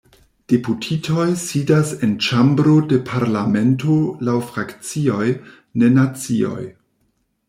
Deputitoj sidas en ĉambro de parlamento laŭ frakcioj, ne nacioj.